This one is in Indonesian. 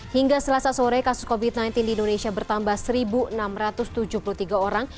hingga selasa sore kasus covid sembilan belas di indonesia bertambah satu enam ratus tujuh puluh tiga orang